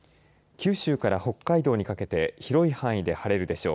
九州から北海道にかけて広い範囲で晴れるでしょう。